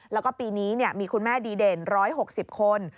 แล้วก็ปีนี้มีคุณแม่ดีเด่น๑๖๐คน